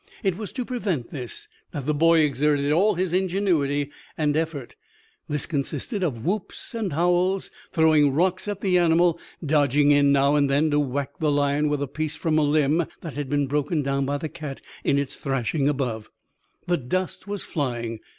It was to prevent this that the boy exerted all his ingenuity and effort. This consisted of whoops and howls, throwing rocks at the animal, dodging in now and then to whack the lion with a piece from a limb that had been broken down by the cat in its thrashing above. The dust was flying.